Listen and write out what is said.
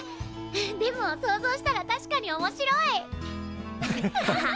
でも想像したら確かにおもしろい！